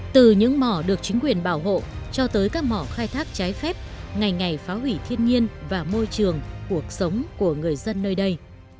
từ những mỏ được chính quyền bảo hộ cho tới các mỏ khai thác trái phép ngày ngày phá hủy thiên nhiên và môi trường cuộc sống của người dân nơi đây